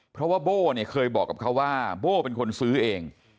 เพราะว่าโบ้เนี่ยเคยบอกกับเขาว่าโบ้เป็นคนซื้อเอง